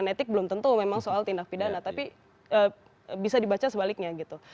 etik belum tentu memang soal tindak pidana tapi bisa dibaca sebaliknya gitu